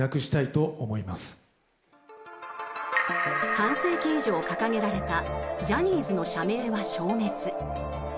半世紀以上掲げられたジャニーズの社名は消滅。